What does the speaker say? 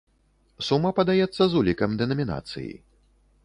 Сума падаецца з улікам дэнамінацыі.